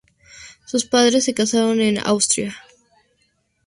Sus padres se casaron en Australia.